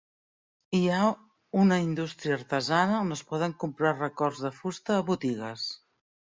Hi ha una indústria artesana on es poden comprar records de fusta a botigues.